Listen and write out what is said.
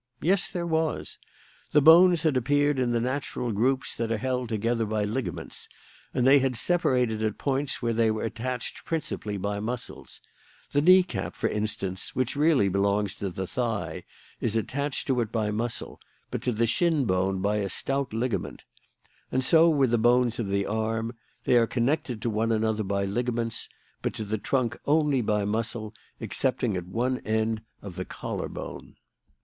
Yes, there was. The bones had appeared in the natural groups that are held together by ligaments; and they had separated at points where they were attached principally by muscles. The knee cap, for instance, which really belongs to the thigh, is attached to it by muscle, but to the shin bone by a stout ligament. And so with the bones of the arm; they are connected to one another by ligaments; but to the trunk only by muscle, excepting at one end of the collar bone.